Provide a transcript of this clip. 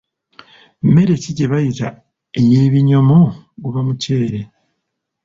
Mmere ki gye bayita ey'ebinyomo guba muceere